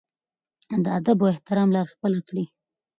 د ادب او احترام لار خپله کړي.